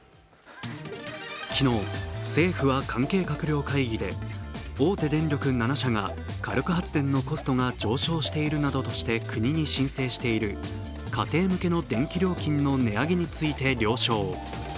昨日、政府は関係閣僚会議で大手電力７社が火力電力のコストが上昇しているなどとして国に申請している家庭向けの電気料金の値上げについて了承。